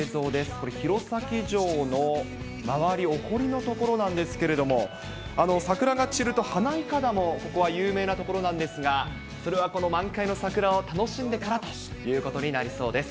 これ、弘前城の周り、お堀のところなんですけれども、桜が散ると、花いかだも、ここは有名な所なんですが、それはこの満開の桜を楽しんでからということになりそうです。